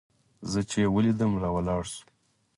زه چې يې وليدلم راولاړ سو.